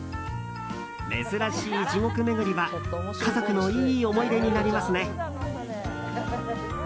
珍しい地獄めぐりは家族のいい思い出になりますね。